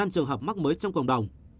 năm trường hợp mắc mới trong cộng đồng